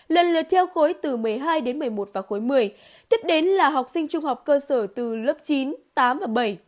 lần lượt theo khối từ một mươi hai đến một mươi một và khối một mươi tiếp đến là học sinh trung học cơ sở từ lớp chín tám và bảy